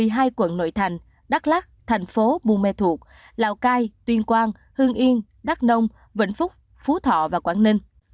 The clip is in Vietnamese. phú yên đắk lắc lào cai tuyên quang hưng yên đắk nông vĩnh phúc phú thọ quảng ninh